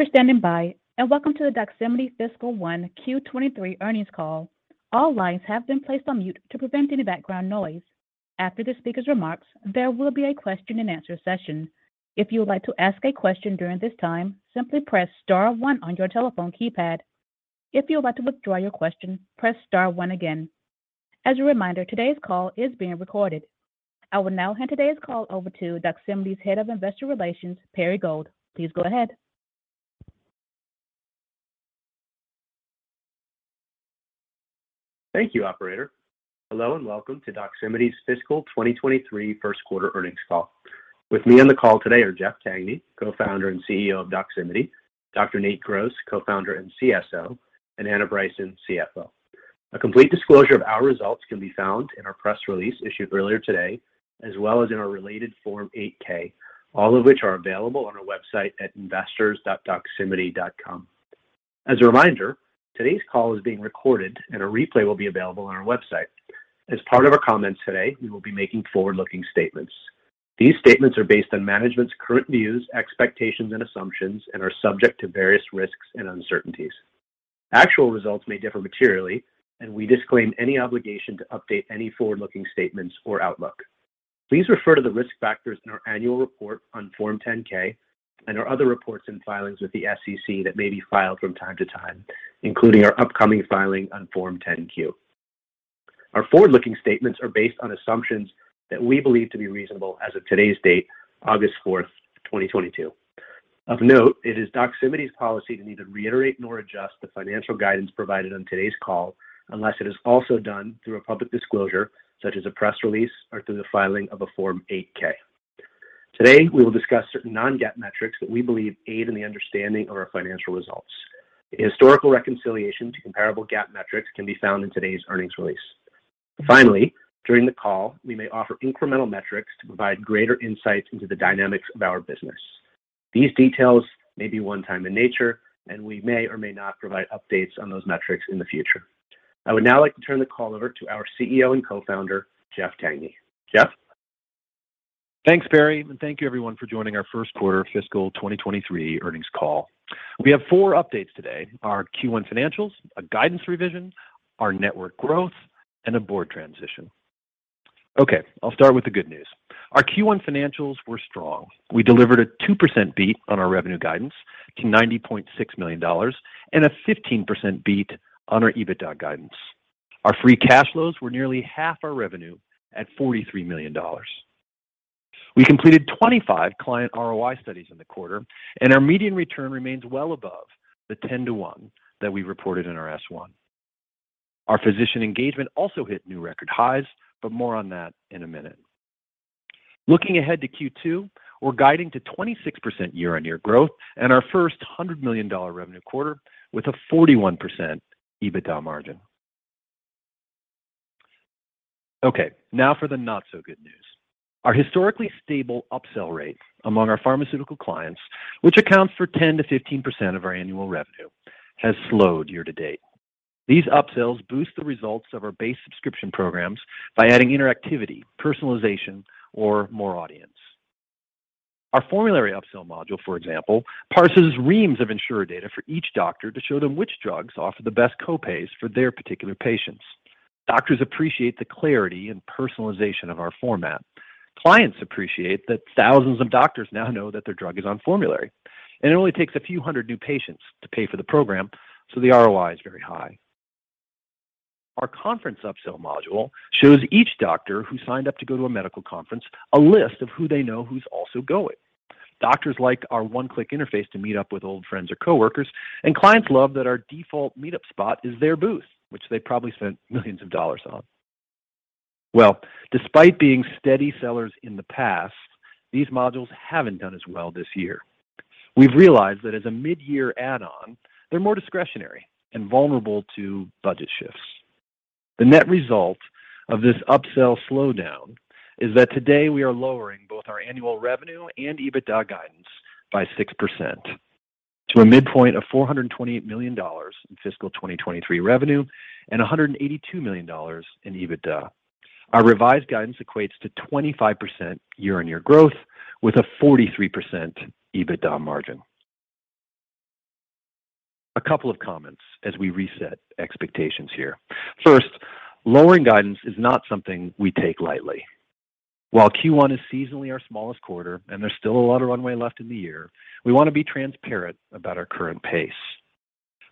Thank you for standing by, and welcome to the Doximity Fiscal Q1 2023 Earnings Call. All lines have been placed on mute to prevent any background noise. After the speaker's remarks, there will be a question and answer session. If you would like to ask a question during this time, simply press star one on your telephone keypad. If you would like to withdraw your question, press star one again. As a reminder, today's call is being recorded. I will now hand today's call over to Doximity's Head of Investor Relations, Perry Gold. Please go ahead. Thank you, operator. Hello and welcome to Doximity's Fiscal 2023 first quarter earnings call. With me on the call today are Jeff Tangney, Co-Founder and CEO of Doximity, Dr. Nate Gross, Co-Founder and CSO, and Anna Bryson, CFO. A complete disclosure of our results can be found in our press release issued earlier today, as well as in our related Form 8-K, all of which are available on our website at investors.doximity.com. As a reminder, today's call is being recorded, and a replay will be available on our website. As part of our comments today, we will be making forward-looking statements. These statements are based on management's current views, expectations, and assumptions, and are subject to various risks and uncertainties. Actual results may differ materially, and we disclaim any obligation to update any forward-looking statements or outlook. Please refer to the risk factors in our annual report on Form 10-K and our other reports and filings with the SEC that may be filed from time to time, including our upcoming filing on Form 10-Q. Our forward-looking statements are based on assumptions that we believe to be reasonable as of today's date, August 4, 2022. Of note, it is Doximity's policy to neither reiterate nor adjust the financial guidance provided on today's call unless it is also done through a public disclosure, such as a press release or through the filing of a Form 8-K. Today, we will discuss certain non-GAAP metrics that we believe aid in the understanding of our financial results. A historical reconciliation to comparable GAAP metrics can be found in today's earnings release. Finally, during the call, we may offer incremental metrics to provide greater insight into the dynamics of our business. These details may be one-time in nature, and we may or may not provide updates on those metrics in the future. I would now like to turn the call over to our CEO and Co-founder, Jeff Tangney. Jeff? Thanks, Perry, and thank you everyone for joining our first quarter fiscal 2023 earnings call. We have four updates today, our Q1 financials, a guidance revision, our network growth, and a board transition. Okay, I'll start with the good news. Our Q1 financials were strong. We delivered a 2% beat on our revenue guidance to $90.6 million and a 15% beat on our EBITDA guidance. Our free cash flows were nearly half our revenue at $43 million. We completed 25 client ROI studies in the quarter, and our median return remains well above the 10-to-1 that we reported in our S-1. Our physician engagement also hit new record highs, but more on that in a minute. Looking ahead to Q2, we're guiding to 26% year-on-year growth and our first $100 million revenue quarter with a 41% EBITDA margin. Okay, now for the not so good news. Our historically stable upsell rate among our pharmaceutical clients, which accounts for 10%-15% of our annual revenue, has slowed year-to-date. These upsells boost the results of our base subscription programs by adding interactivity, personalization, or more audience. Our formulary upsell module, for example, parses reams of insurer data for each doctor to show them which drugs offer the best copays for their particular patients. Doctors appreciate the clarity and personalization of our formulary. Clients appreciate that thousands of doctors now know that their drug is on formulary, and it only takes a few hundred new patients to pay for the program, so the ROI is very high. Our conference upsell module shows each doctor who signed up to go to a medical conference a list of who they know who's also going. Doctors like our one-click interface to meet up with old friends or coworkers, and clients love that our default meetup spot is their booth, which they probably spent millions of dollars on. Well, despite being steady sellers in the past, these modules haven't done as well this year. We've realized that as a mid-year add-on, they're more discretionary and vulnerable to budget shifts. The net result of this upsell slowdown is that today we are lowering both our annual revenue and EBITDA guidance by 6% to a midpoint of $428 million in fiscal 2023 revenue and $182 million in EBITDA. Our revised guidance equates to 25% year-on-year growth with a 43% EBITDA margin. A couple of comments as we reset expectations here. First, lowering guidance is not something we take lightly. While Q1 is seasonally our smallest quarter and there's still a lot of runway left in the year, we want to be transparent about our current pace.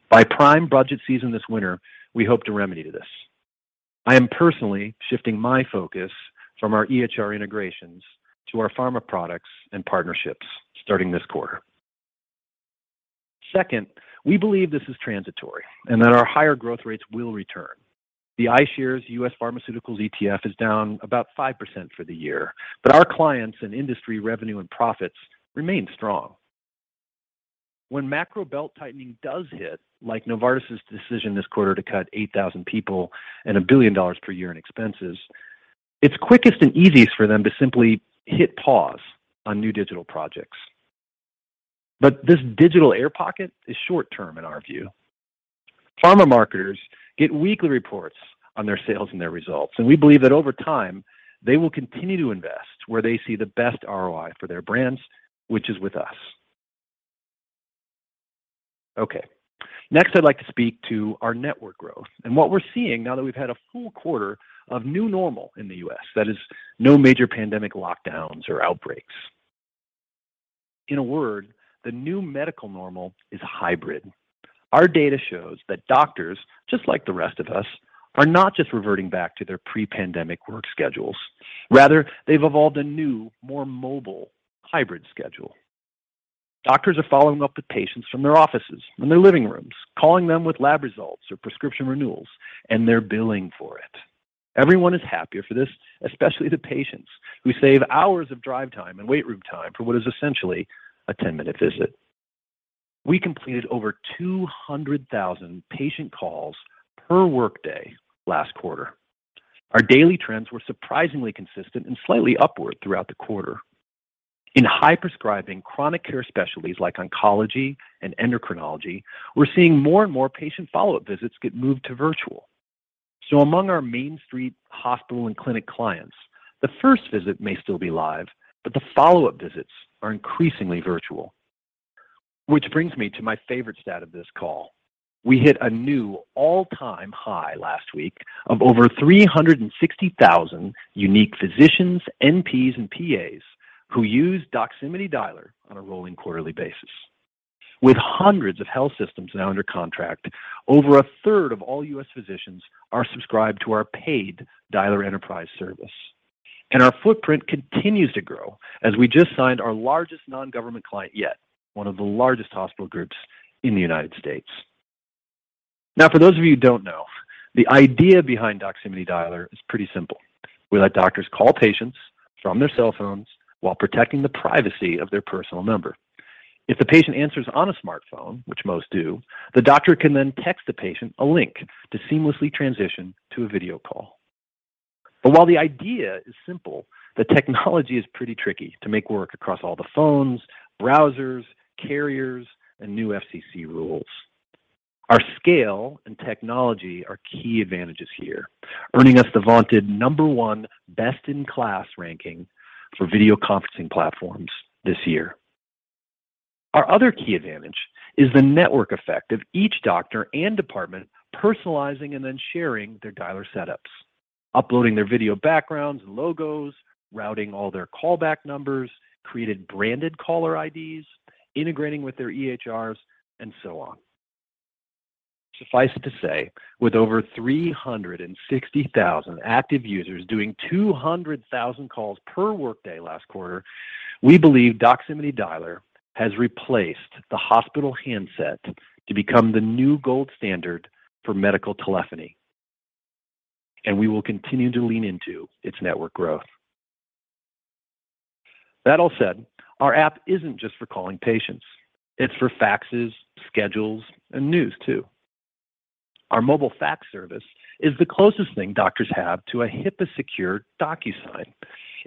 By prime budget season this winter, we hope to remedy this. I am personally shifting my focus from our EHR integrations to our pharma products and partnerships starting this quarter. Second, we believe this is transitory and that our higher growth rates will return. The iShares U.S. Pharmaceuticals ETF is down about 5% for the year, but our clients and industry revenue and profits remain strong. When macro belt tightening does hit, like Novartis' decision this quarter to cut 8,000 people and $1 billion per year in expenses, it's quickest and easiest for them to simply hit pause on new digital projects. This digital air pocket is short term in our view. Pharma marketers get weekly reports on their sales and their results, and we believe that over time, they will continue to invest where they see the best ROI for their brands, which is with us. Okay. Next, I'd like to speak to our network growth and what we're seeing now that we've had a full quarter of new normal in the U.S., that is no major pandemic lockdowns or outbreaks. In a word, the new medical normal is hybrid. Our data shows that doctors, just like the rest of us, are not just reverting back to their pre-pandemic work schedules. Rather, they've evolved a new, more mobile hybrid schedule. Doctors are following up with patients from their offices, from their living rooms, calling them with lab results or prescription renewals, and they're billing for it. Everyone is happier for this, especially the patients who save hours of drive time and waiting room time for what is essentially a 10-minute visit. We completed over 200,000 patient calls per workday last quarter. Our daily trends were surprisingly consistent and slightly upward throughout the quarter. In high prescribing chronic care specialties like oncology and endocrinology, we're seeing more and more patient follow-up visits get moved to virtual. Among our main street hospital and clinic clients, the first visit may still be live, but the follow-up visits are increasingly virtual. Which brings me to my favorite stat of this call. We hit a new all-time high last week of over 360,000 unique physicians, NPs, and PAs who use Doximity Dialer on a rolling quarterly basis. With hundreds of health systems now under contract, over a third of all U.S. physicians are subscribed to our paid Dialer Enterprise service. Our footprint continues to grow as we just signed our largest non-government client yet, one of the largest hospital groups in the United States. Now, for those of you who don't know, the idea behind Doximity Dialer is pretty simple. We let doctors call patients from their cell phones while protecting the privacy of their personal number. If the patient answers on a smartphone, which most do, the doctor can then text the patient a link to seamlessly transition to a video call. While the idea is simple, the technology is pretty tricky to make work across all the phones, browsers, carriers, and new FCC rules. Our scale and technology are key advantages here, earning us the vaunted No. 1 best in class ranking for video conferencing platforms this year. Our other key advantage is the network effect of each doctor and department personalizing and then sharing their dialer setups, uploading their video backgrounds and logos, routing all their callback numbers, created branded caller IDs, integrating with their EHRs, and so on. Suffice it to say, with over 360,000 active users doing 200,000 calls per workday last quarter, we believe Doximity Dialer has replaced the hospital handset to become the new gold standard for medical telephony, and we will continue to lean into its network growth. That all said, our app isn't just for calling patients. It's for faxes, schedules, and news, too. Our mobile fax service is the closest thing doctors have to a HIPAA secure DocuSign.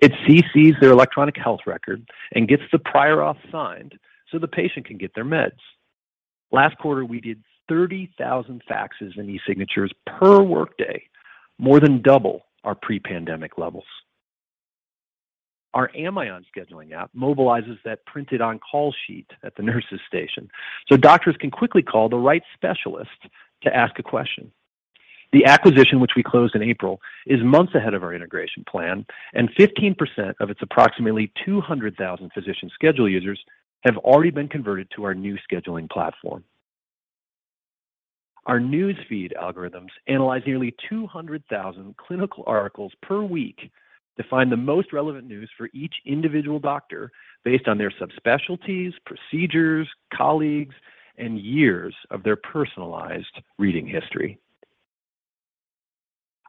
It CCs their electronic health record and gets the prior auth signed so the patient can get their meds. Last quarter, we did 30,000 faxes in e-signatures per workday, more than double our pre-pandemic levels. Our Amion scheduling app mobilizes that printed on-call sheet at the nurse's station, so doctors can quickly call the right specialist to ask a question. The acquisition, which we closed in April, is months ahead of our integration plan, and 15% of its approximately 200,000 physician schedule users have already been converted to our new scheduling platform. Our news feed algorithms analyze nearly 200,000 clinical articles per week to find the most relevant news for each individual doctor based on their subspecialties, procedures, colleagues, and years of their personalized reading history.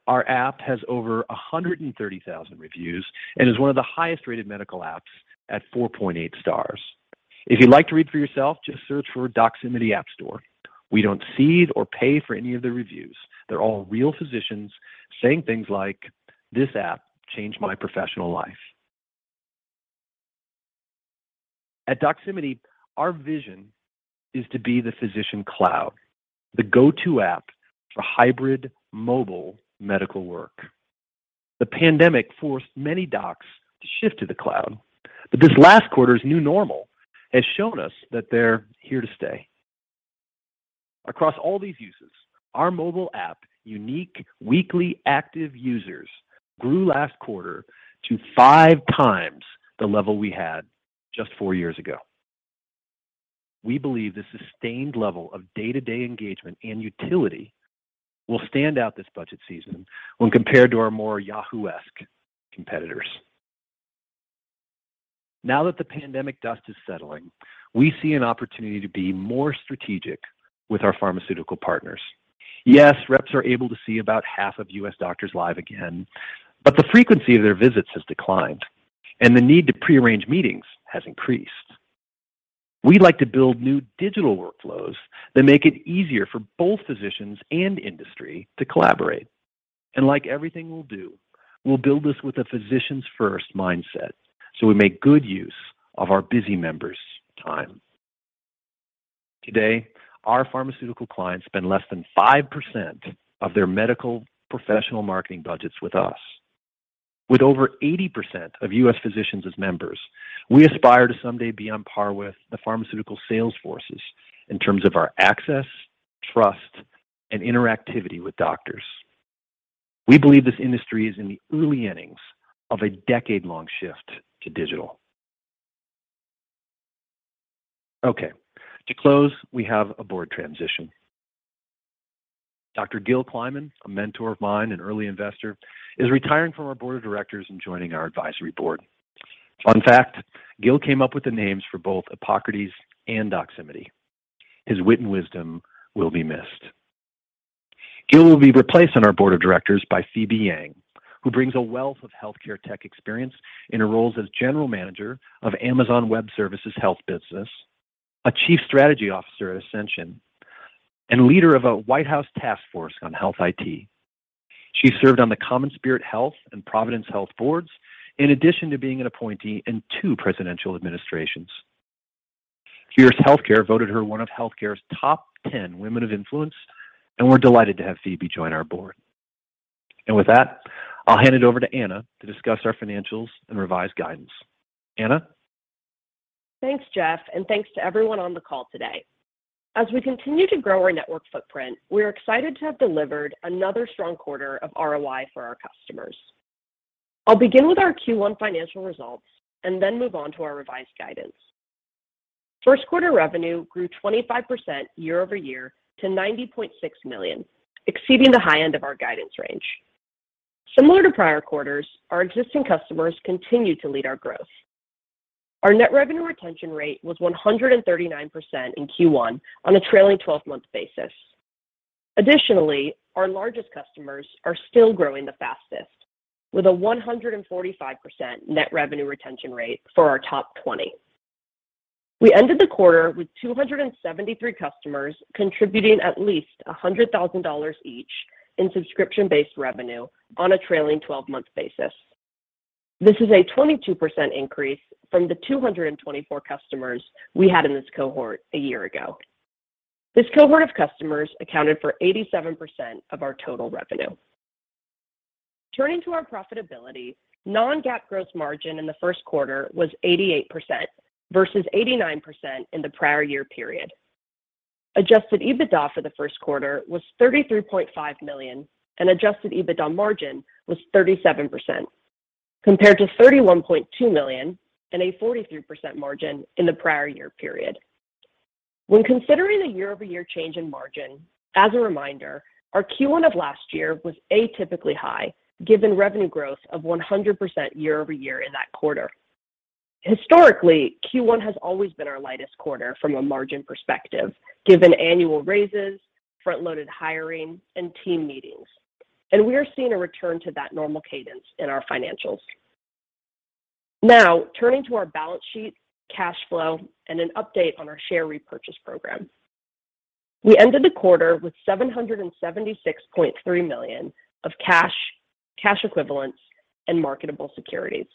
Our app has over 130,000 reviews and is one of the highest-rated medical apps at 4.8 stars. If you'd like to read for yourself, just search for Doximity App Store. We don't seed or pay for any of the reviews. They're all real physicians saying things like, "This app changed my professional life." At Doximity, our vision is to be the physician cloud, the go-to app for hybrid mobile medical work. The pandemic forced many docs to shift to the cloud, but this last quarter's new normal has shown us that they're here to stay. Across all these uses, our mobile app, unique weekly active users, grew last quarter to five times the level we had just four years ago. We believe the sustained level of day-to-day engagement and utility will stand out this budget season when compared to our more Yahoo-esque competitors. Now that the pandemic dust is settling, we see an opportunity to be more strategic with our pharmaceutical partners. Yes, reps are able to see about half of U.S. doctors live again, but the frequency of their visits has declined, and the need to prearrange meetings has increased. We'd like to build new digital workflows that make it easier for both physicians and industry to collaborate. Like everything we'll do, we'll build this with a physician's first mindset, so we make good use of our busy members' time. Today, our pharmaceutical clients spend less than 5% of their medical professional marketing budgets with us. With over 80% of U.S. physicians as members, we aspire to someday be on par with the pharmaceutical sales forces in terms of our access, trust, and interactivity with doctors. We believe this industry is in the early innings of a decade-long shift to digital. Okay, to close, we have a board transition. Dr. Gilbert Kliman, a mentor of mine and early investor, is retiring from our board of directors and joining our advisory board. Fun fact, Gilbert came up with the names for both Epocrates and Doximity. His wit and wisdom will be missed. Gil will be replaced on our board of directors by Phoebe Yang, who brings a wealth of healthcare tech experience in her roles as General Manager of Amazon Web Services health business, Chief Strategy Officer at Ascension, and leader of a White House task force on health IT. She served on the CommonSpirit Health and Providence Health & Services boards in addition to being an appointee in two presidential administrations. Fierce Healthcare voted her one of healthcare's top ten women of influence, and we're delighted to have Phoebe join our board. With that, I'll hand it over to Anna to discuss our financials and revised guidance. Anna? Thanks, Jeff, and thanks to everyone on the call today. As we continue to grow our network footprint, we're excited to have delivered another strong quarter of ROI for our customers. I'll begin with our Q1 financial results and then move on to our revised guidance. First quarter revenue grew 25% year-over-year to $90.6 million, exceeding the high end of our guidance range. Similar to prior quarters, our existing customers continued to lead our growth. Our net revenue retention rate was 139% in Q1 on a trailing twelve-month basis. Additionally, our largest customers are still growing the fastest with a 145% net revenue retention rate for our top twenty. We ended the quarter with 273 customers contributing at least $100,000 each in subscription-based revenue on a trailing twelve-month basis. This is a 22% increase from the 224 customers we had in this cohort a year ago. This cohort of customers accounted for 87% of our total revenue. Turning to our profitability, non-GAAP gross margin in the first quarter was 88% versus 89% in the prior year period. Adjusted EBITDA for the first quarter was $33.5 million, and adjusted EBITDA margin was 37%, compared to $31.2 million and a 43% margin in the prior year period. When considering a year-over-year change in margin, as a reminder, our Q1 of last year was atypically high given revenue growth of 100% year over year in that quarter. Historically, Q1 has always been our lightest quarter from a margin perspective, given annual raises, front-loaded hiring, and team meetings, and we are seeing a return to that normal cadence in our financials. Now, turning to our balance sheet, cash flow, and an update on our share repurchase program. We ended the quarter with $776.3 million of cash equivalents, and marketable securities.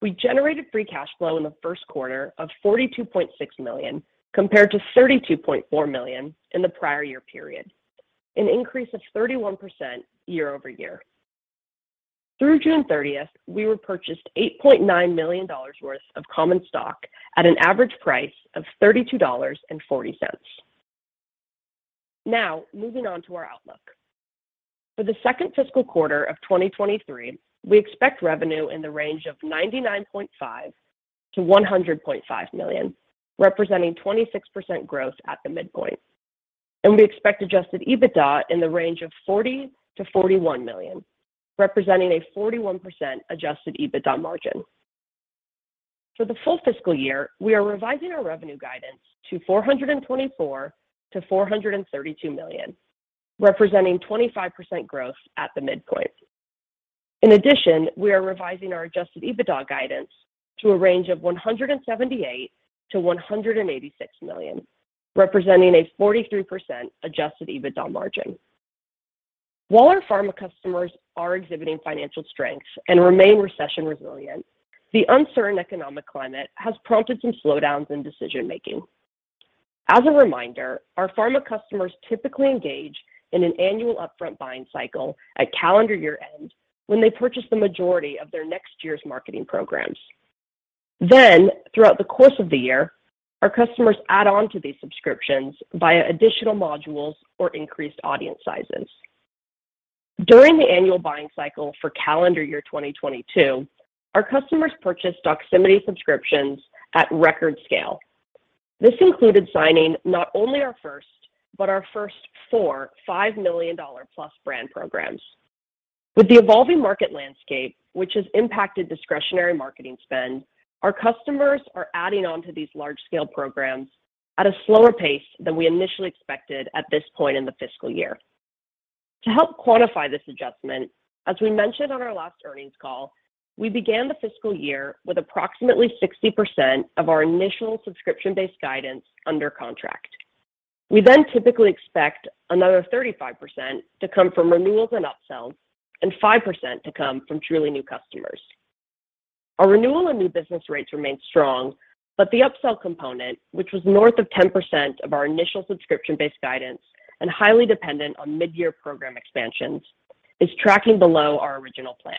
We generated free cash flow in the first quarter of $42.6 million, compared to $32.4 million in the prior year period, an increase of 31% year-over-year. Through June thirtieth, we repurchased $8.9 million worth of common stock at an average price of $32.40. Now, moving on to our outlook. For the second fiscal quarter of 2023, we expect revenue in the range of $99.5 million-$100.5 million, representing 26% growth at the midpoint. We expect adjusted EBITDA in the range of $40 million-$41 million, representing a 41% adjusted EBITDA margin. For the full fiscal year, we are revising our revenue guidance to $424 million-$432 million, representing 25% growth at the midpoint. In addition, we are revising our adjusted EBITDA guidance to a range of $178 million-$186 million, representing a 43% adjusted EBITDA margin. While our pharma customers are exhibiting financial strength and remain recession resilient, the uncertain economic climate has prompted some slowdowns in decision making. As a reminder, our pharma customers typically engage in an annual upfront buying cycle at calendar year-end when they purchase the majority of their next year's marketing programs. Throughout the course of the year, our customers add on to these subscriptions via additional modules or increased audience sizes. During the annual buying cycle for calendar year 2022, our customers purchased Doximity subscriptions at record scale. This included signing not only our first, but our first $45 million-plus brand programs. With the evolving market landscape, which has impacted discretionary marketing spend, our customers are adding on to these large-scale programs at a slower pace than we initially expected at this point in the fiscal year. To help quantify this adjustment, as we mentioned on our last earnings call, we began the fiscal year with approximately 60% of our initial subscription-based guidance under contract. We typically expect another 35% to come from renewals and upsells and 5% to come from truly new customers. Our renewal and new business rates remain strong, but the upsell component, which was north of 10% of our initial subscription-based guidance and highly dependent on mid-year program expansions, is tracking below our original plan.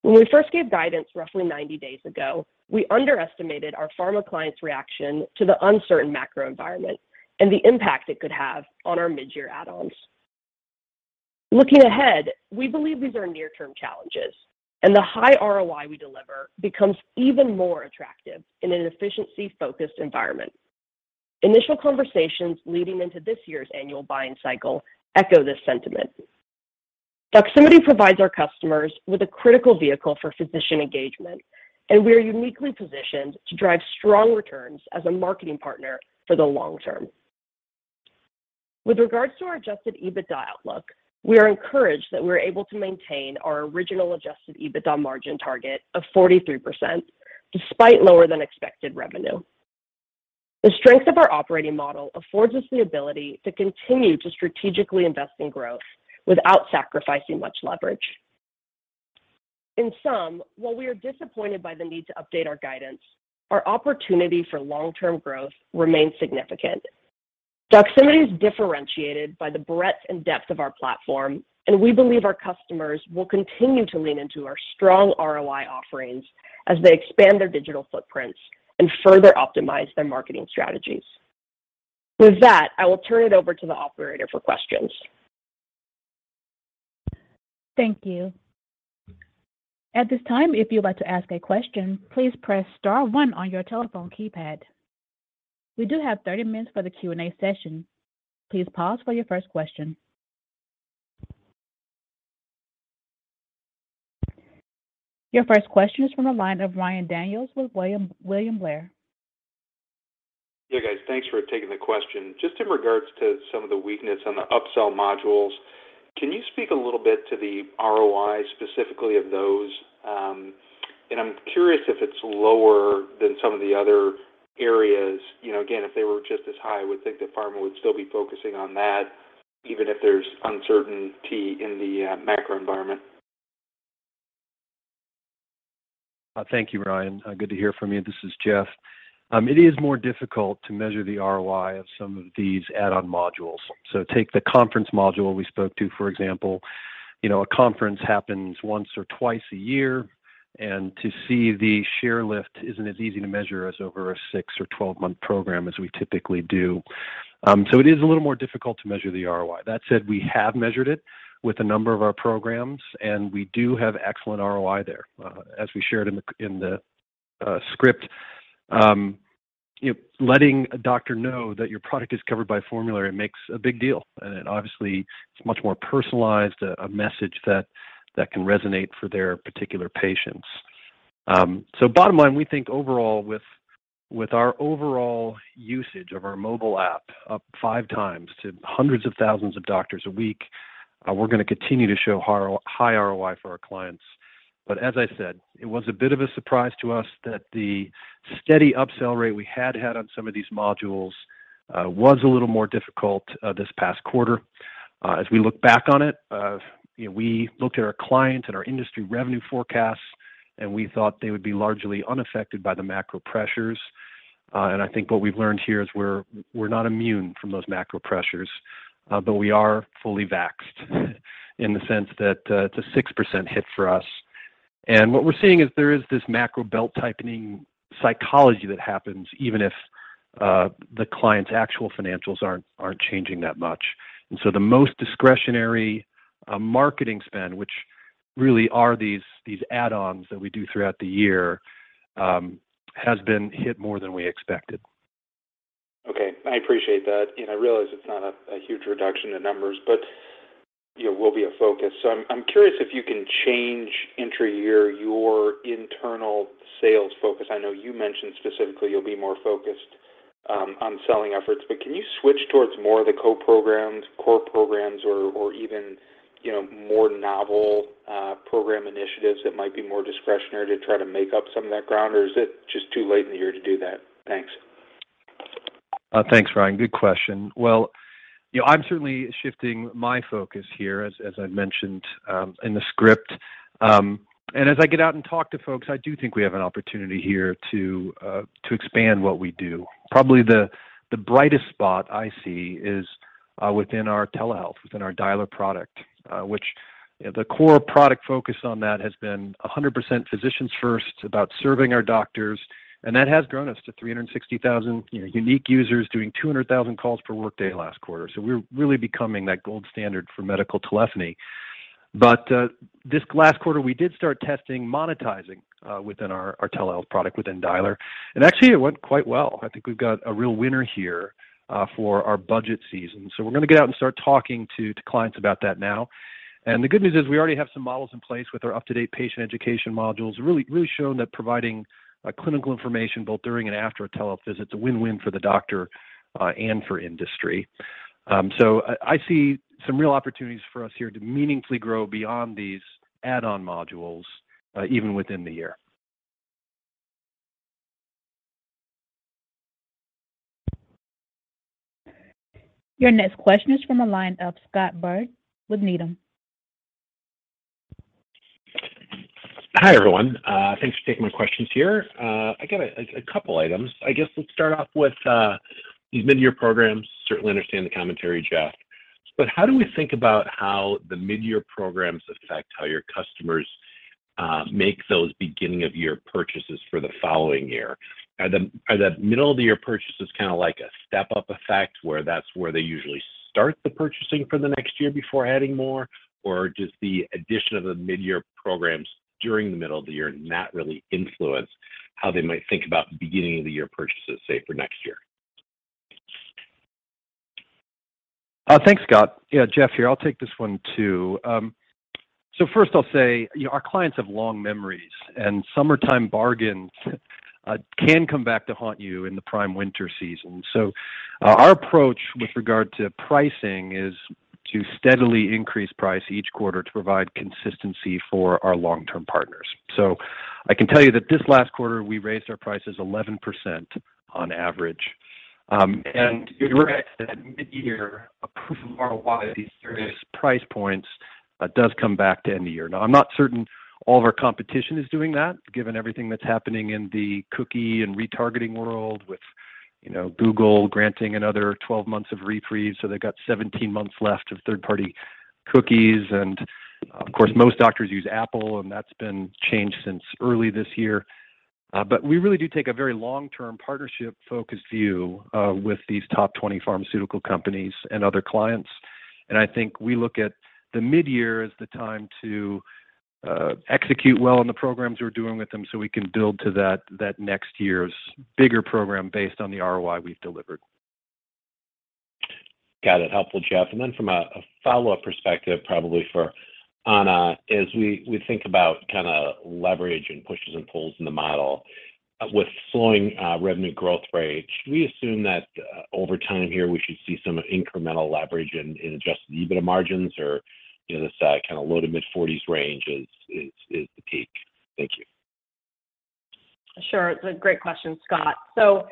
When we first gave guidance roughly 90 days ago, we underestimated our pharma clients' reaction to the uncertain macro environment and the impact it could have on our mid-year add-ons. Looking ahead, we believe these are near-term challenges, and the high ROI we deliver becomes even more attractive in an efficiency-focused environment. Initial conversations leading into this year's annual buying cycle echo this sentiment. Doximity provides our customers with a critical vehicle for physician engagement, and we are uniquely positioned to drive strong returns as a marketing partner for the long term. With regards to our adjusted EBITDA outlook, we are encouraged that we're able to maintain our original adjusted EBITDA margin target of 43% despite lower than expected revenue. The strength of our operating model affords us the ability to continue to strategically invest in growth without sacrificing much leverage. In sum, while we are disappointed by the need to update our guidance, our opportunity for long-term growth remains significant. Doximity is differentiated by the breadth and depth of our platform, and we believe our customers will continue to lean into our strong ROI offerings as they expand their digital footprints and further optimize their marketing strategies. With that, I will turn it over to the operator for questions. Thank you. At this time, if you'd like to ask a question, please press star one on your telephone keypad. We do have 30 minutes for the Q&A session. Please pause for your first question. Your first question is from the line of Ryan Daniels with William Blair. Yeah, guys. Thanks for taking the question. Just in regards to some of the weakness on the upsell modules, can you speak a little bit to the ROI specifically of those? I'm curious if it's lower than some of the other areas. You know, again, if they were just as high, I would think that pharma would still be focusing on that, even if there's uncertainty in the macro environment. Thank you, Ryan. Good to hear from you. This is Jeff. It is more difficult to measure the ROI of some of these add-on modules. Take the conference module we spoke to, for example. You know, a conference happens once or twice a year, and to see the share lift isn't as easy to measure as over a 6 or 12-month program as we typically do. It is a little more difficult to measure the ROI. That said, we have measured it with a number of our programs, and we do have excellent ROI there. As we shared in the script, you know, letting a doctor know that your product is covered by formulary, it makes a big deal, and it obviously is much more personalized, a message that can resonate for their particular patients. Bottom line, we think overall with our overall usage of our mobile app up 5 times to hundreds of thousands of doctors a week, we're gonna continue to show high ROI for our clients. As I said, it was a bit of a surprise to us that the steady upsell rate we had had on some of these modules was a little more difficult this past quarter. As we look back on it, you know, we looked at our clients and our industry revenue forecasts, and we thought they would be largely unaffected by the macro pressures. I think what we've learned here is we're not immune from those macro pressures, but we are fully vaxxed in the sense that it's a 6% hit for us. What we're seeing is there is this macro belt-tightening psychology that happens even if the client's actual financials aren't changing that much. The most discretionary marketing spend, which really are these add-ons that we do throughout the year, has been hit more than we expected. Okay. I appreciate that. I realize it's not a huge reduction in numbers, but you know, will be a focus. I'm curious if you can change intra-year your internal sales focus. I know you mentioned specifically you'll be more focused on selling efforts, but can you switch towards more of the co-programs, core programs or even you know, more novel program initiatives that might be more discretionary to try to make up some of that ground, or is it just too late in the year to do that? Thanks. Thanks, Ryan. Good question. Well, you know, I'm certainly shifting my focus here, as I mentioned in the script. As I get out and talk to folks, I do think we have an opportunity here to expand what we do. Probably the brightest spot I see is within our telehealth, within our dialer product, which, you know, the core product focus on that has been 100% physicians first, about serving our doctors, and that has grown us to 360,000 unique users doing 200,000 calls per workday last quarter. So we're really becoming that gold standard for medical telephony. This last quarter, we did start testing monetizing within our telehealth product within dialer, and actually, it went quite well. I think we've got a real winner here, for our budget season. We're gonna get out and start talking to clients about that now. The good news is we already have some models in place with our UpToDate patient education modules, really shown that providing clinical information both during and after a televisit is a win-win for the doctor and for industry. I see some real opportunities for us here to meaningfully grow beyond these add-on modules, even within the year. Your next question is from the line of Scott Schoenhaus with Needham. Hi, everyone. Thanks for taking my questions here. I got a couple items. I guess let's start off with these mid-year programs. Certainly understand the commentary, Jeff. How do we think about how the mid-year programs affect how your customers make those beginning of year purchases for the following year? Are the middle of the year purchases kinda like a step-up effect where that's where they usually start the purchasing for the next year before adding more? Or does the addition of the mid-year programs during the middle of the year not really influence how they might think about beginning of the year purchases, say, for next year? Thanks, Scott. Yeah, Jeff here. I'll take this one too. First I'll say, you know, our clients have long memories, and summertime bargains can come back to haunt you in the prime winter season. Our approach with regard to pricing is to steadily increase price each quarter to provide consistency for our long-term partners. I can tell you that this last quarter, we raised our prices 11% on average. You're right that mid-year proof of ROI at these various price points does come back to end of year. Now I'm not certain all of our competition is doing that, given everything that's happening in the cookie and retargeting world with, you know, Google granting another 12 months of reprieve, so they've got 17 months left of third-party cookies. Of course, most doctors use Apple, and that's been changed since early this year. But we really do take a very long-term partnership-focused view with these top 20 pharmaceutical companies and other clients. I think we look at the mid-year as the time to execute well on the programs we're doing with them so we can build to that next year's bigger program based on the ROI we've delivered. Got it. Helpful, Jeff. Then from a follow-up perspective, probably for Anna, as we think about kinda leverage and pushes and pulls in the model, with slowing revenue growth rate, should we assume that over time here, we should see some incremental leverage in adjusted EBITDA margins, or, you know, this kinda low- to mid-40s% range is the peak? Thank you. Sure. It's a great question, Scott. So,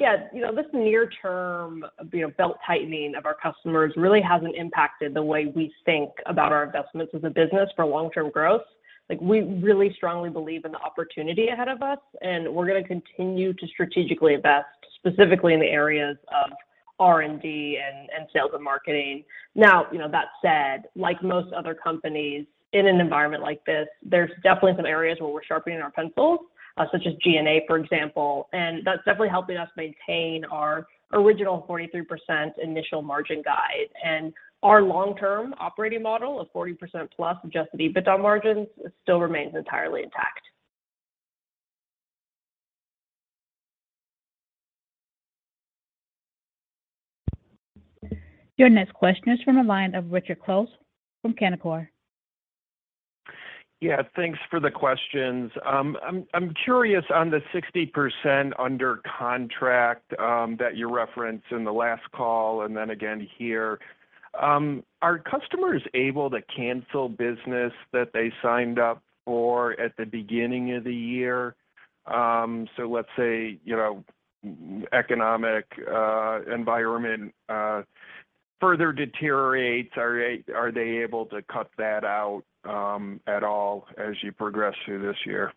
you know, this near term, you know, belt-tightening of our customers really hasn't impacted the way we think about our investments as a business for long-term growth. Like, we really strongly believe in the opportunity ahead of us, and we're gonna continue to strategically invest, specifically in the areas of R&D and sales and marketing. Now, you know, that said, like most other companies in an environment like this, there's definitely some areas where we're sharpening our pencils, such as G&A, for example, and that's definitely helping us maintain our original 43% initial margin guide. Our long-term operating model of 40%+ adjusted EBITDA margins still remains entirely intact. Your next question is from the line of Richard Close from Canaccord Genuity. Yeah. Thanks for the questions. I'm curious on the 60% under contract that you referenced in the last call and then again here. Are customers able to cancel business that they signed up for at the beginning of the year? Let's say, you know, economic environment further deteriorates. Are they able to cut that out at all as you progress through this year?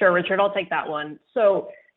Sure, Richard. I'll take that one.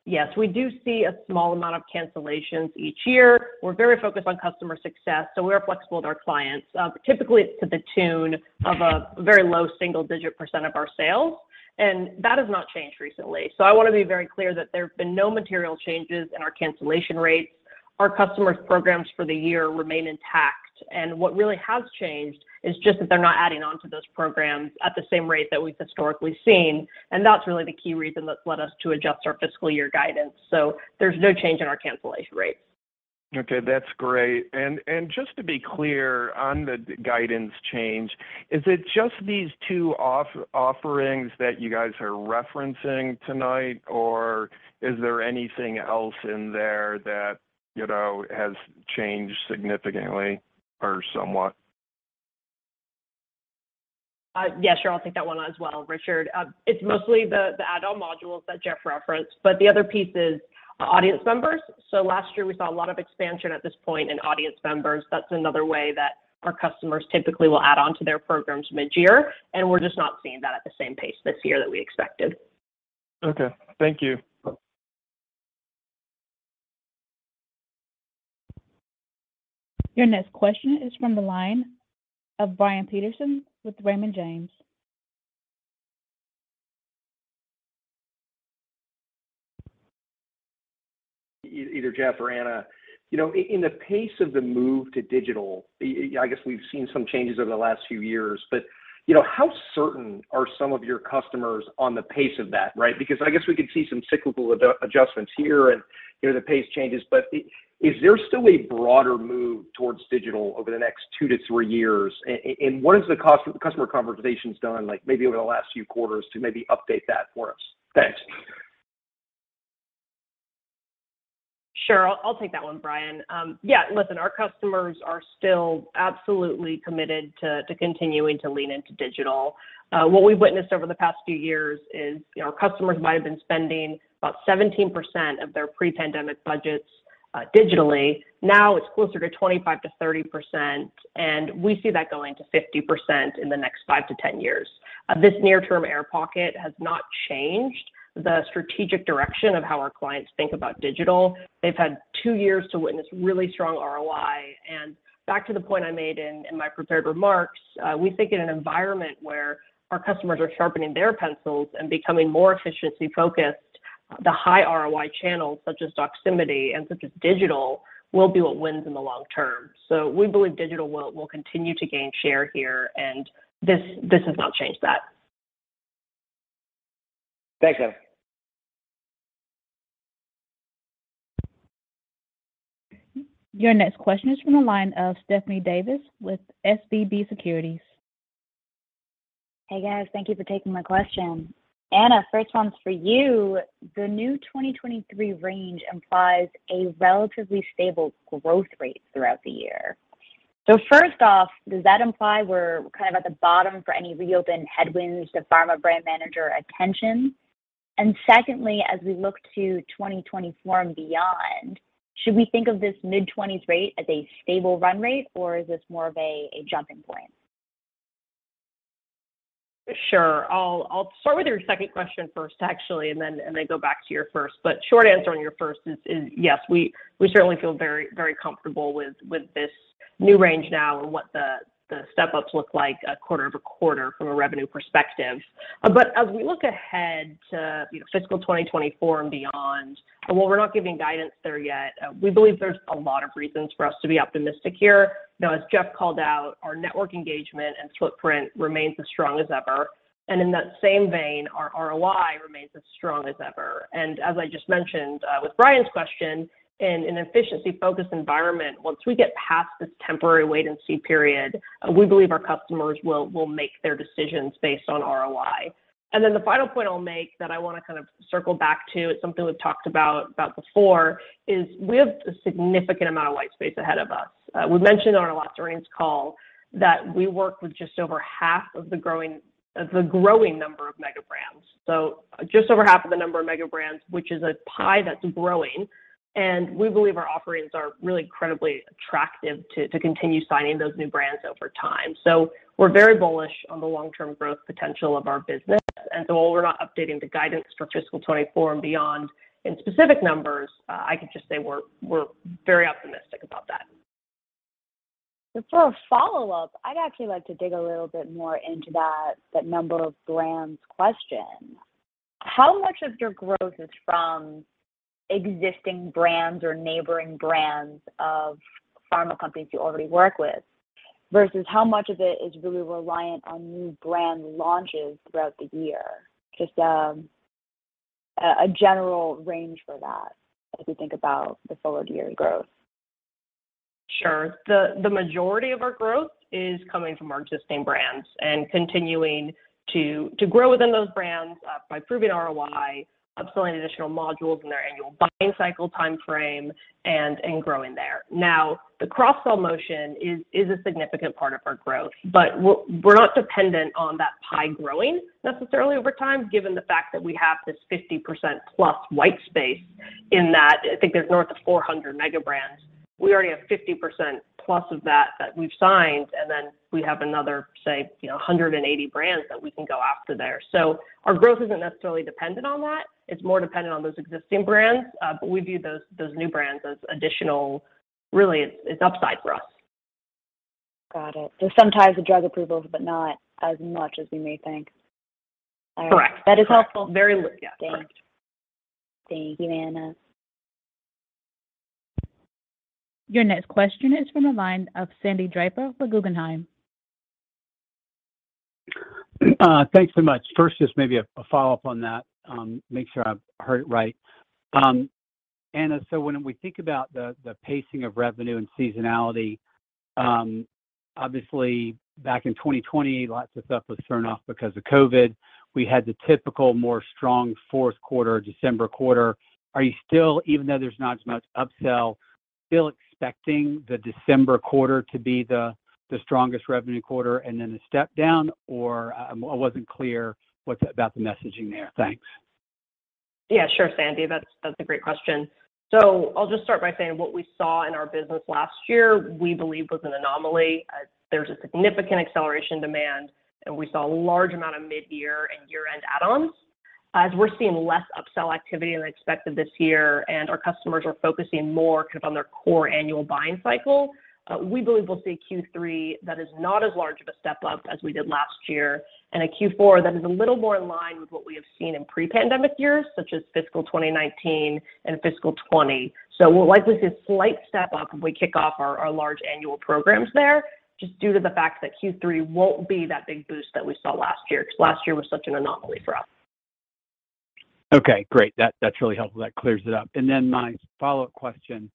Yes, we do see a small amount of cancellations each year. We're very focused on customer success, so we are flexible with our clients. Typically it's to the tune of a very low single-digit % of our sales, and that has not changed recently. I wanna be very clear that there have been no material changes in our cancellation rates. Our customers' programs for the year remain intact, and what really has changed is just that they're not adding on to those programs at the same rate that we've historically seen, and that's really the key reason that's led us to adjust our fiscal year guidance. There's no change in our cancellation rates. Okay. That's great. Just to be clear on the guidance change, is it just these two offerings that you guys are referencing tonight, or is there anything else in there that, you know, has changed significantly or somewhat? Yeah, sure. I'll take that one as well, Richard. It's mostly the add-on modules that Jeff referenced, but the other piece is audience members. Last year, we saw a lot of expansion at this point in audience members. That's another way that our customers typically will add on to their programs mid-year, and we're just not seeing that at the same pace this year that we expected. Okay. Thank you. Your next question is from the line of Brian Peterson with Raymond James. Either Jeff or Anna, you know, in the pace of the move to digital, I guess we've seen some changes over the last few years, but, you know, how certain are some of your customers on the pace of that, right? Because I guess we could see some cyclical adjustments here and, you know, the pace changes. Is there still a broader move towards digital over the next two to three years? And what is the customer conversations done, like maybe over the last few quarters to maybe update that for us? Thanks. Sure. I'll take that one, Brian. Yeah, listen, our customers are still absolutely committed to continuing to lean into digital. What we've witnessed over the past few years is, you know, our customers might have been spending about 17% of their pre-pandemic budgets digitally. Now, it's closer to 25%-30%, and we see that going to 50% in the next 5-10 years. This near term air pocket has not changed the strategic direction of how our clients think about digital. They've had two years to witness really strong ROI. Back to the point I made in my prepared remarks, we think in an environment where our customers are sharpening their pencils and becoming more efficiency-focused, the high ROI channels such as Doximity and such as digital will be what wins in the long term. We believe digital will continue to gain share here, and this has not changed that. Thank you. Your next question is from the line of Stephanie Davis with SVB Securities. Hey, guys. Thank you for taking my question. Anna, first one's for you. The new 2023 range implies a relatively stable growth rate throughout the year. First off, does that imply we're kind of at the bottom for any reopened headwinds to pharma brand manager attention? And secondly, as we look to 2024 and beyond, should we think of this mid-20s rate as a stable run rate, or is this more of a jumping point? Sure. I'll start with your second question first, actually, and then go back to your first. Short answer on your first is yes, we certainly feel very, very comfortable with this new range now and what the step-ups look like quarter over quarter from a revenue perspective. As we look ahead to, you know, fiscal 2024 and beyond, and while we're not giving guidance there yet, we believe there's a lot of reasons for us to be optimistic here. Now, as Jeff called out, our network engagement and footprint remains as strong as ever. In that same vein, our ROI remains as strong as ever. As I just mentioned, with Brian's question, in an efficiency-focused environment, once we get past this temporary wait and see period, we believe our customers will make their decisions based on ROI. The final point I'll make that I wanna kind of circle back to, it's something we've talked about before, is we have a significant amount of white space ahead of us. We mentioned on our last earnings call that we work with just over half of the growing number of mega brands. Just over half of the number of mega brands, which is a pie that's growing, and we believe our offerings are really incredibly attractive to continue signing those new brands over time. We're very bullish on the long-term growth potential of our business. While we're not updating the guidance for fiscal 2024 and beyond in specific numbers, I can just say we're very optimistic about that. For a follow-up, I'd actually like to dig a little bit more into that number of brands question. How much of your growth is from existing brands or neighboring brands of pharma companies you already work with, versus how much of it is really reliant on new brand launches throughout the year? Just a general range for that as we think about the full year growth. Sure. The majority of our growth is coming from our existing brands and continuing to grow within those brands by proving ROI, upselling additional modules in their annual buying cycle timeframe and growing there. Now, the cross-sell motion is a significant part of our growth, but we're not dependent on that pie growing necessarily over time, given the fact that we have this 50% plus white space in that. I think there's north of 400 mega brands. We already have 50% plus of that that we've signed, and then we have another, say, you know, 180 brands that we can go after there. So our growth isn't necessarily dependent on that. It's more dependent on those existing brands. But we view those new brands as additional. Really, it's upside for us. Got it. There's some ties to drug approvals, but not as much as we may think. All right. Correct. That is helpful. Very little. Yeah. Correct. Thanks. Thank you, Anna. Your next question is from the line of Sandy Draper with Guggenheim. Thanks so much. First, just maybe a follow-up on that, make sure I've heard it right. Anna, so when we think about the pacing of revenue and seasonality, obviously back in 2020, lots of stuff was turned off because of COVID. We had the typical more strong fourth quarter, December quarter. Are you still, even though there's not as much upsell, still expecting the December quarter to be the strongest revenue quarter and then a step down? Or, I wasn't clear about the messaging there. Thanks. Yeah. Sure, Sandy. That's a great question. I'll just start by saying what we saw in our business last year, we believe was an anomaly. There was a significant acceleration in demand, and we saw a large amount of mid-year and year-end add-ons. As we're seeing less upsell activity than expected this year and our customers are focusing more kind of on their core annual buying cycle, we believe we'll see a Q3 that is not as large of a step up as we did last year and a Q4 that is a little more in line with what we have seen in pre-pandemic years, such as fiscal 2019 and fiscal 2020. We'll likely see a slight step up when we kick off our large annual programs there just due to the fact that Q3 won't be that big boost that we saw last year, 'cause last year was such an anomaly for us. Okay. Great. That's really helpful. That clears it up. My follow-up question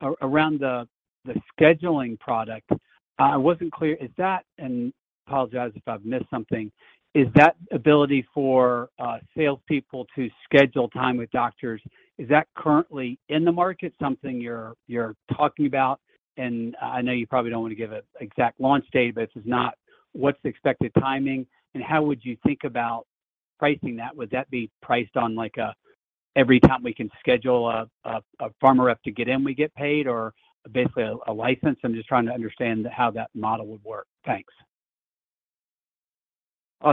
around the scheduling product, I wasn't clear, is that ability for salespeople to schedule time with doctors, is that currently in the market something you're talking about? I know you probably don't wanna give an exact launch date, but if it's not, what's the expected timing, and how would you think about pricing that? Would that be priced on, like every time we can schedule a pharma rep to get in, we get paid or basically a license? I'm just trying to understand how that model would work. Thanks.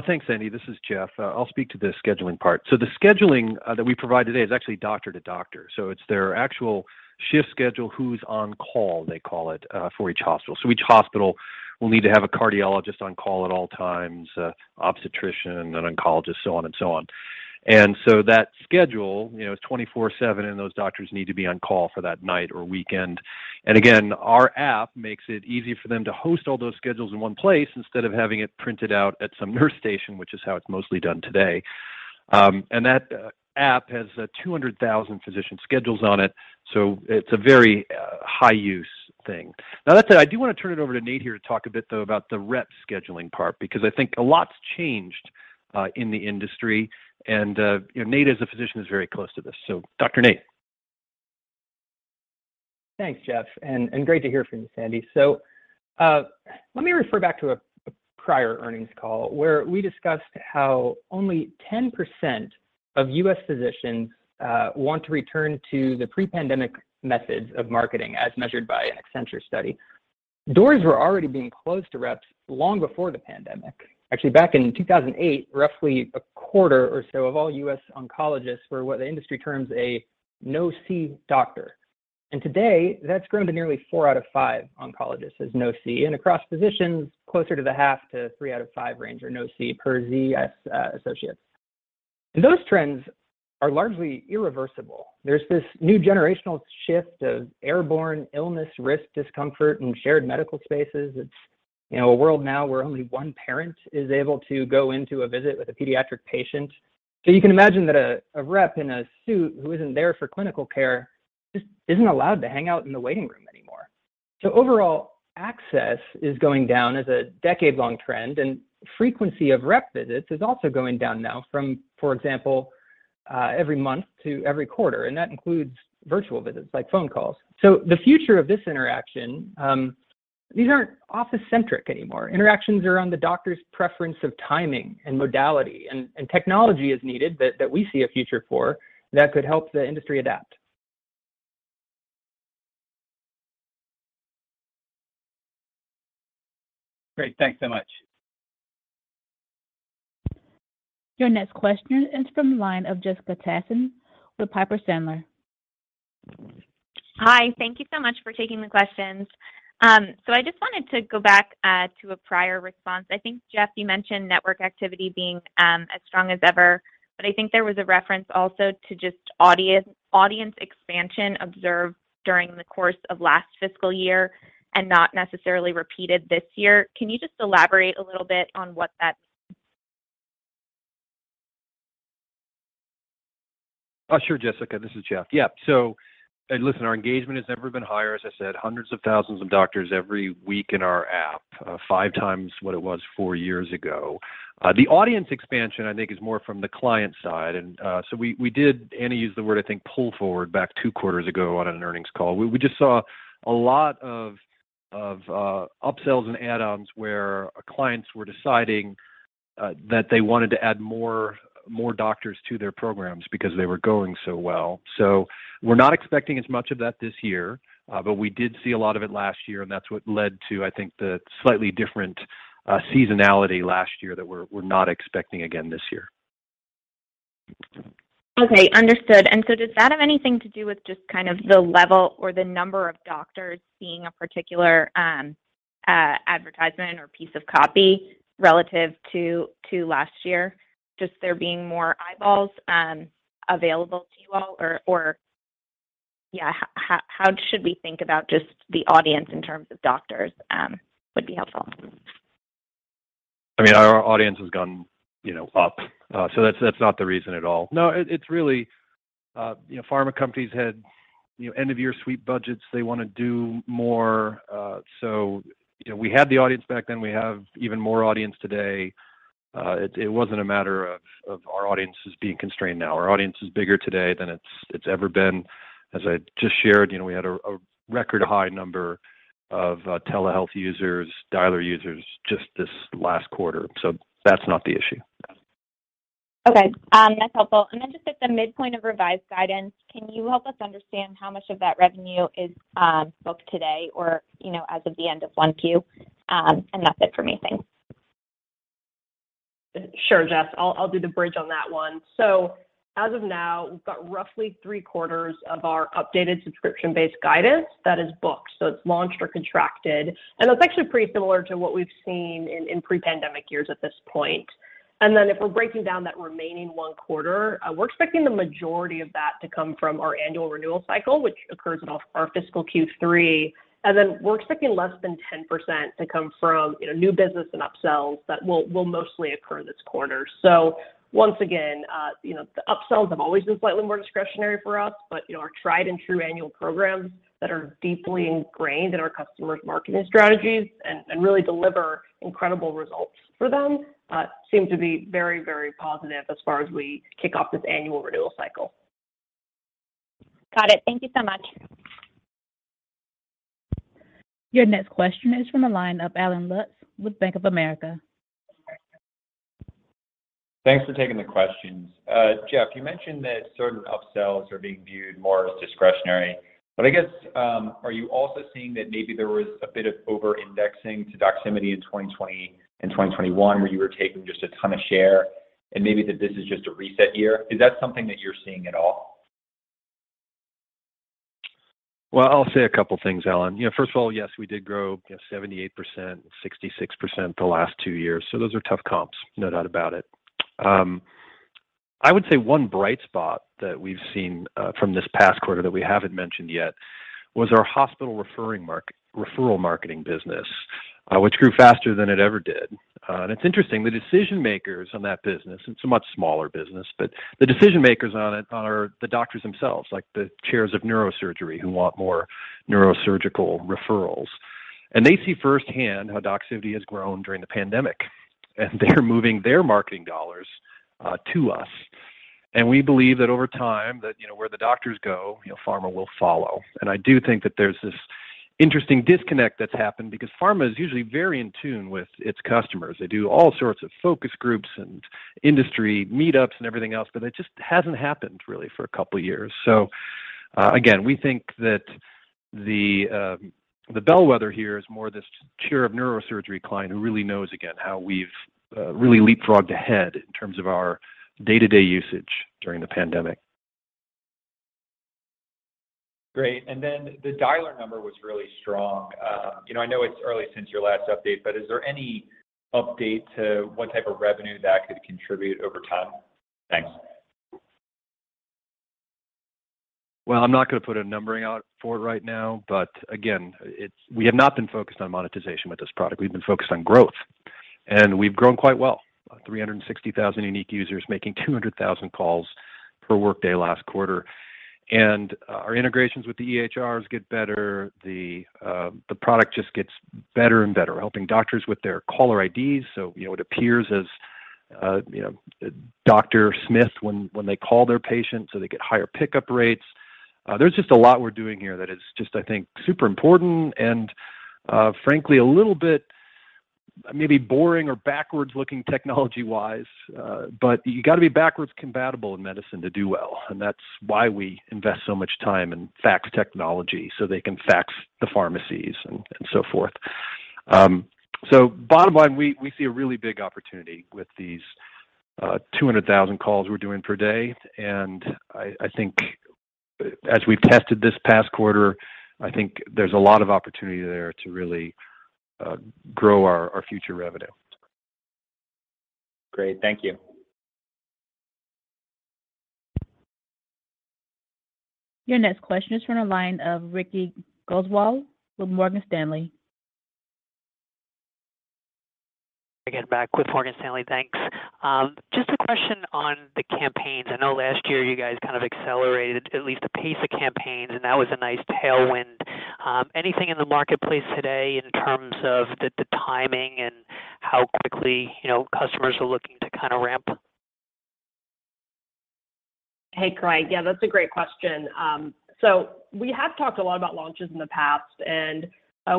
Thanks, Sandy. This is Jeff. I'll speak to the scheduling part. The scheduling that we provide today is actually doctor to doctor. It's their actual shift schedule, who's on call, they call it, for each hospital. Each hospital will need to have a cardiologist on call at all times, obstetrician, an oncologist, so on and so on. That schedule, you know, is 24/7, and those doctors need to be on call for that night or weekend. Again, our app makes it easy for them to host all those schedules in one place instead of having it printed out at some nurse station, which is how it's mostly done today. That app has 200,000 physician schedules on it, so it's a very high-use thing. Now, that said, I do wanna turn it over to Nate here to talk a bit, though, about the rep scheduling part because I think a lot's changed, in the industry and, you know, Nate, as a physician, is very close to this. Dr. Nate. Thanks, Jeff, and great to hear from you, Andy. Let me refer back to a prior earnings call where we discussed how only 10% of U.S. physicians want to return to the pre-pandemic methods of marketing, as measured by an Accenture study. Doors were already being closed to reps long before the pandemic. Actually, back in 2008, roughly a quarter or so of all U.S. oncologists were what the industry terms a no-see doctor. Today, that's grown to nearly four out of five oncologists as no-see, and across physicians, closer to the half to three out of five range are no-see, per ZS Associates. Those trends are largely irreversible. There's this new generational shift of airborne illness, risk discomfort in shared medical spaces. It's you know a world now where only one parent is able to go into a visit with a pediatric patient. You can imagine that a rep in a suit who isn't there for clinical care just isn't allowed to hang out in the waiting room anymore. Overall, access is going down as a decade-long trend, and frequency of rep visits is also going down now from for example every month to every quarter, and that includes virtual visits like phone calls. The future of this interaction these aren't office-centric anymore. Interactions are on the doctor's preference of timing and modality and technology is needed that we see a future for that could help the industry adapt. Great. Thanks so much. Your next question is from the line of Jessica Tassan with Piper Sandler. Hi. Thank you so much for taking the questions. I just wanted to go back to a prior response. I think, Jeff, you mentioned network activity being as strong as ever, but I think there was a reference also to just audience expansion observed during the course of last fiscal year and not necessarily repeated this year. Can you just elaborate a little bit on what that means? Sure, Jessica. This is Jeff. Listen, our engagement has never been higher. As I said, hundreds of thousands of doctors every week in our app, five times what it was four years ago. The audience expansion I think is more from the client side. We did, and I used the word, I think, pull forward back two quarters ago on an earnings call. We just saw a lot of upsells and add-ons where clients were deciding that they wanted to add more doctors to their programs because they were going so well. We're not expecting as much of that this year, but we did see a lot of it last year, and that's what led to, I think, the slightly different seasonality last year that we're not expecting again this year. Okay. Understood. Does that have anything to do with just kind of the level or the number of doctors seeing a particular advertisement or piece of copy relative to last year? Just there being more eyeballs available to you all or. Yeah. How should we think about just the audience in terms of doctors would be helpful. I mean, our audience has gone, you know, up. So that's not the reason at all. No, it's really, you know, pharma companies had, you know, end of year suite budgets. They wanna do more. So, you know, we had the audience back then. We have even more audience today. It wasn't a matter of our audience being constrained now. Our audience is bigger today than it's ever been. As I just shared, you know, we had a record high number of telehealth users, dialer users just this last quarter. So that's not the issue. Okay. That's helpful. Just at the midpoint of revised guidance, can you help us understand how much of that revenue is booked today or, you know, as of the end of 1Q? That's it for me. Thanks. Sure, Jess. I'll do the bridge on that one. As of now, we've got roughly three-quarters of our updated subscription-based guidance that is booked, so it's launched or contracted. That's actually pretty similar to what we've seen in pre-pandemic years at this point. If we're breaking down that remaining one quarter, we're expecting the majority of that to come from our annual renewal cycle, which occurs in end of our fiscal Q3. We're expecting less than 10% to come from, you know, new business and upsells that will mostly occur this quarter. Once again, you know, the upsells have always been slightly more discretionary for us, but, you know, our tried and true annual programs that are deeply ingrained in our customers' marketing strategies and really deliver incredible results for them, seem to be very, very positive as far as we kick off this annual renewal cycle. Got it. Thank you so much. Your next question is from the line of Allen Lutz with Bank of America. Thanks for taking the questions. Jeff, you mentioned that certain upsells are being viewed more as discretionary. I guess, are you also seeing that maybe there was a bit of over-indexing to Doximity in 2020 and 2021, where you were taking just a ton of share and maybe that this is just a reset year? Is that something that you're seeing at all? Well, I'll say a couple things, Alan. You know, first of all, yes, we did grow, you know, 78% and 66% the last two years, so those are tough comps. No doubt about it. I would say one bright spot that we've seen from this past quarter that we haven't mentioned yet was our hospital referral marketing business, which grew faster than it ever did. It's interesting, the decision makers on that business, it's a much smaller business, but the decision makers on it are the doctors themselves, like the chairs of neurosurgery who want more neurosurgical referrals. They see firsthand how Doximity has grown during the pandemic, and they're moving their marketing dollars to us. We believe that over time that, you know, where the doctors go, you know, pharma will follow. I do think that there's this interesting disconnect that's happened because pharma is usually very in tune with its customers. They do all sorts of focus groups and industry meetups and everything else, but it just hasn't happened really for a couple years. Again, we think that the bellwether here is more this Chair of Neurosurgery client who really knows again, how we've really leapfrogged ahead in terms of our day-to-day usage during the pandemic. Great. The dialer number was really strong. You know, I know it's early since your last update, but is there any update to what type of revenue that could contribute over time? Thanks. Well, I'm not gonna put a numbering out for it right now, but again, it's we have not been focused on monetization with this product. We've been focused on growth, and we've grown quite well. 360,000 unique users making 200,000 calls per workday last quarter. Our integrations with the EHRs get better. The product just gets better and better, helping doctors with their caller IDs. You know, it appears as you know Dr. Smith when they call their patients, so they get higher pickup rates. There's just a lot we're doing here that is just, I think, super important and frankly, a little bit maybe boring or backwards looking technology-wise. You gotta be backwards compatible in medicine to do well, and that's why we invest so much time in fax technology so they can fax the pharmacies and so forth. Bottom line, we see a really big opportunity with these 200,000 calls we're doing per day. I think as we've tested this past quarter, I think there's a lot of opportunity there to really grow our future revenue. Great. Thank you. Your next question is from the line of Craig Hettenbach with Morgan Stanley. Again, back with Morgan Stanley. Thanks. Just a question on the campaigns. I know last year you guys kind of accelerated at least the pace of campaigns, and that was a nice tailwind. Anything in the marketplace today in terms of the timing and how quickly, you know, customers are looking to kinda ramp? Hey, Craig. Yeah, that's a great question. So we have talked a lot about launches in the past, and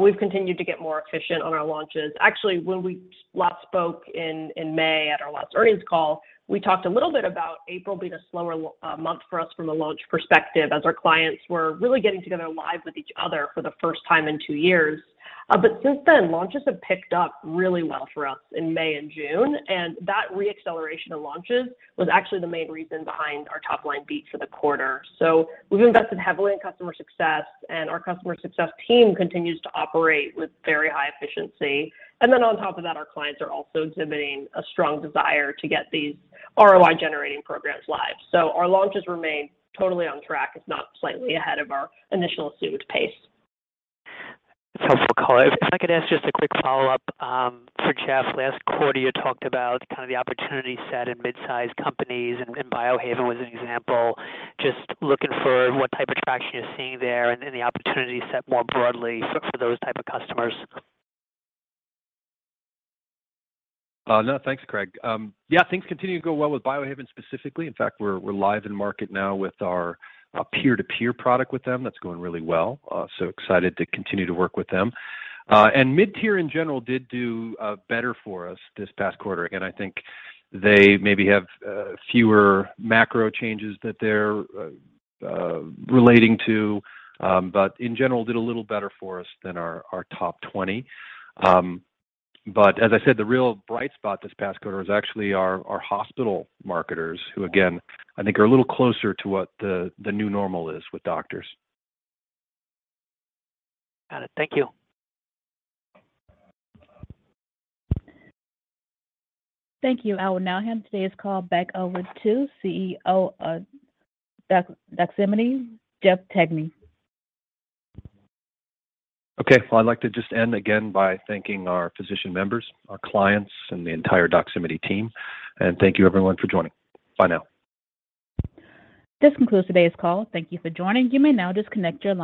we've continued to get more efficient on our launches. Actually, when we last spoke in May at our last earnings call, we talked a little bit about April being a slower month for us from a launch perspective as our clients were really getting together live with each other for the first time in two years. Since then, launches have picked up really well for us in May and June, and that re-acceleration of launches was actually the main reason behind our top line beat for the quarter. We've invested heavily in customer success, and our customer success team continues to operate with very high efficiency. On top of that, our clients are also exhibiting a strong desire to get these ROI-generating programs live. Our launches remain totally on track. It's now slightly ahead of our initial assumed pace. That's helpful. If I could ask just a quick follow-up for Jeff. Last quarter, you talked about kind of the opportunity set in midsize companies, and Biohaven was an example. Just looking for what type of traction you're seeing there and the opportunity set more broadly for those type of customers. No, thanks, Craig. Yeah, things continue to go well with Biohaven specifically. In fact, we're live in market now with our peer-to-peer product with them. That's going really well. Excited to continue to work with them. Mid-tier in general did do better for us this past quarter. Again, I think they maybe have fewer macro changes that they're relating to, but in general, did a little better for us than our top 20. As I said, the real bright spot this past quarter is actually our hospital marketers, who again, I think are a little closer to what the new normal is with doctors. Got it. Thank you. Thank you. I will now hand today's call back over to CEO, Doximity, Jeff Tangney. Okay. Well, I'd like to just end again by thanking our physician members, our clients, and the entire Doximity team. Thank you everyone for joining. Bye now. This concludes today's call. Thank you for joining. You may now disconnect your line.